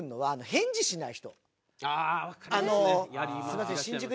返事しない。